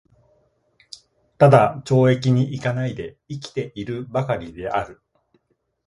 只懲役に行かないで生きて居る許りである。